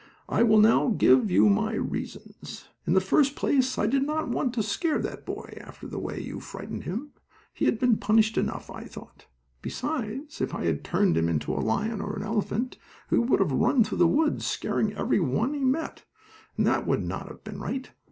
"I will now give you my reasons. In the first place I did not want to scare that boy after the way you frightened him. He had been punished enough, I thought. Besides, if I had turned him into a lion or an elephant he would have run through the woods, scaring every one he met, and that would not have been right.